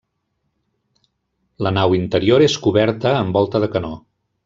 La nau interior és coberta amb volta de canó.